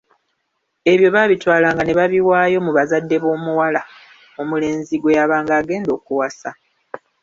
Ebyo babitwalanga ne babiwaayo mu bazadde b’omuwala omulenzi gwe yabanga agenda okuwasa.